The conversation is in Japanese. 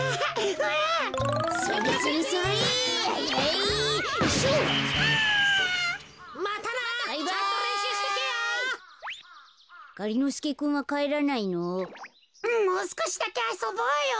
うんもうすこしだけあそぼうよ。